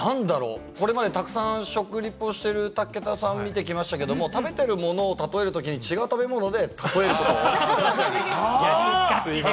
これまでたくさん食リポしてる武田さんを見てきましたけれども、食べてるものを例えるときに違う食べ物で例えること。